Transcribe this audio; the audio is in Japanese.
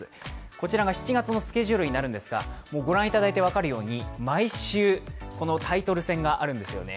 こちらが７月のスケジュールなんですが、ご覧いただいて分かるように毎週タイトル戦があるんですよね。